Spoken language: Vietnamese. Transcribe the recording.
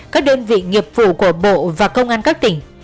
các đơn vị nghiệp vụ của bộ và công an các tỉnh